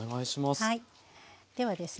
はい。